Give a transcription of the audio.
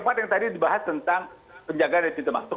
jadi tadi dibahas tentang penjagaan vaksin termasuk